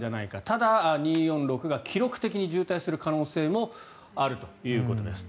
ただ、２４６が記録的に渋滞する可能性もあるということです。